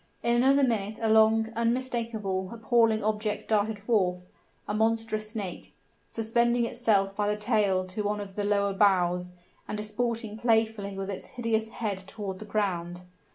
In another minute a long, unmistakable, appalling object darted forth a monstrous snake suspending itself by the tail to one of the lower boughs, and disporting playfully with its hideous head toward the ground.